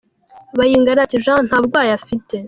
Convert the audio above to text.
Bayingana ati :“Jeanne nta burwayi afite.